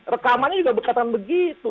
rekamannya juga dikatakan begitu